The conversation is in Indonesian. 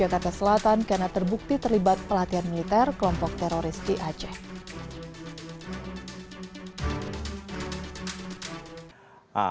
pada tahun dua ribu tiga abu bakar basir mendekam di penjara